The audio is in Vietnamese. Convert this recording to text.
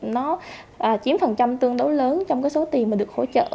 nó chiếm phần trăm tương đối lớn trong cái số tiền mà được hỗ trợ